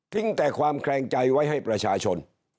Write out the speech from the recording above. แต่ความแคลงใจไว้ให้ประชาชน